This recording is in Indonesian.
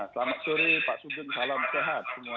selamat sore pak sugeng salam sehat semua